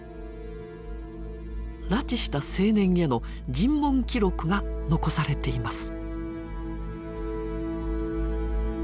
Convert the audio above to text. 拉致した青年への尋問記録が残されています。